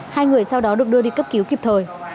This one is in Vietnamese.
hai người sau đó được đưa đi cấp cứu kịp thời